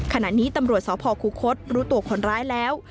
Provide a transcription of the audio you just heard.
ขณะนี้ตำรวจสพคุคศรู้ตัวคนร้ายแล้ว